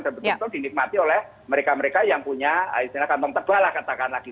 dan betul betul dinikmati oleh mereka mereka yang punya kantong tebal katakanlah